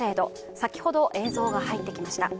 先ほど、映像が入ってきました。